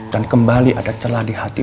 dan kembali ada celah di hati saya